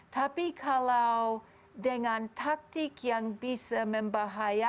tapi kalau dengan taktik yang bisa membahayakan